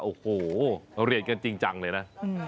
โอ้โหเรียนกันจริงจังเลยนะ